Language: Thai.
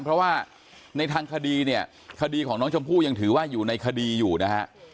เพราะว่าในทางคดีเนี่ยคดีของน้องชมพู่ยังถือว่าอยู่ในคดีอยู่นะฮะ